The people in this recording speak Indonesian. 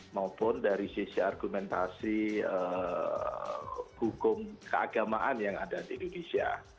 maupun dari sisi argumentasi hukum keagamaan yang ada di indonesia